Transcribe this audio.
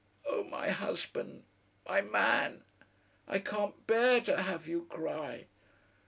Oh! my Husband! My Man! I can't bear to have you cry!"